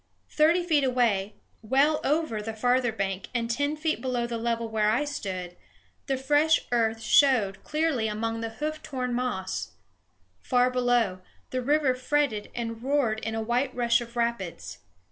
Thirty feet away, well over the farther bank and ten feet below the level where I stood, the fresh earth showed clearly among the hoof torn moss. Far below, the river fretted and roared in a white rush of rapids.